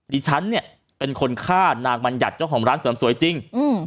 ดิฉันเนี่ยเป็นคนฆ่านางบัญญัติเจ้าของร้านเสริมสวยจริง